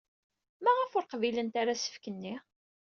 Maɣef ur qbilent ara asefk-nni?